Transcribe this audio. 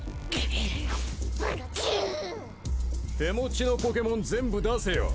手持ちのポケモン全部出せよ。